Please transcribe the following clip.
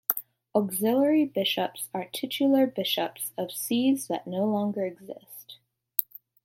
Auxiliary bishops are titular bishops of sees that no longer exist.